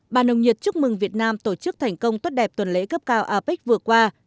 bà nồng nhiệt chúc mừng việt nam tổ chức thành công tốt đẹp tuần lễ cấp cao apec vừa qua